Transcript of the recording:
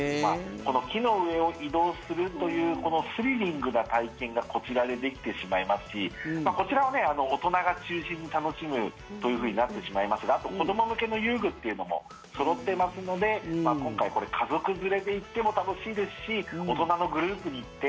この木の上を移動するというスリリングな体験がこちらでできてしまいますしこちらは大人が中心に楽しむというふうになってしまいますが子ども向けの遊具っていうのもそろってますので今回これ、家族連れで行っても楽しいですし大人のグループで行って